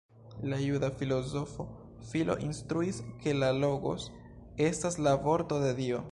La juda filozofo Filo instruis, ke la Logos estas la Vorto de Dio.